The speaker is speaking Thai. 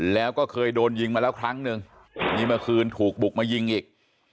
แล้วก็เคยโดนยิงมาแล้วครั้งหนึ่งนี่เมื่อคืนถูกบุกมายิงอีก